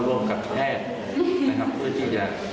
ตอนหน้าจะมีมา